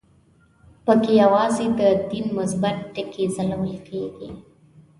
په کې یوازې د دین مثبت ټکي ځلول کېږي.